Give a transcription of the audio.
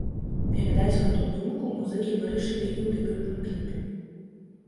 Перадаць гэтую думку музыкі вырашылі і ў дэбютным кліпе.